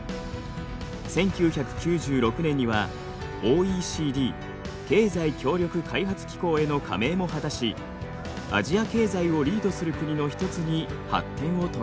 １９９６年にはＯＥＣＤ経済協力開発機構への加盟も果たしアジア経済をリードする国の一つに発展を遂げています。